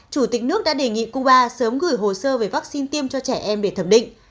chủ tịch nước đã đề nghị cuba sớm gửi hồ sơ về vaccine tiêm cho trẻ em để thẩm định